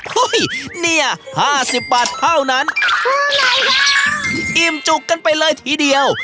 เนี่ยห้าสิบบาทเท่านั้นอิ่มจุกกันไปเลยทีเดียว